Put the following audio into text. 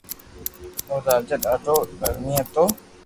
او راجا ڌاڌو درھمي ھتو